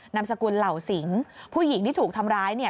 นามสกุลเหล่าสิงผู้หญิงที่ถูกทำร้ายเนี่ย